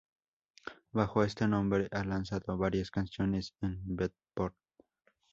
Bajo este nombre ha lanzado varias canciones en Beatport.